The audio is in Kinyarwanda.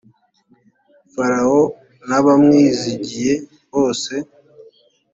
farawo n abamwizigiye bose